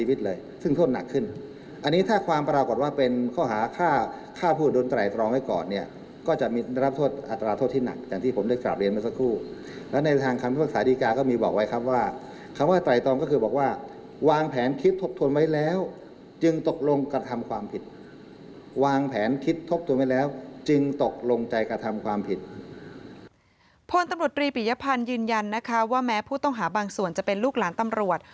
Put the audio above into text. ตำรวจรีปิยพันธ์ยืนยันนะคะว่าแม้ผู้ต้องหาบางส่วนจะเป็นลูกหลานตำรวจ